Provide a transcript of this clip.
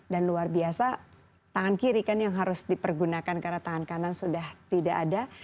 dan luar biasa tangan kiri kan yang harus dipergunakan karena tangan kanan sudah tidak ada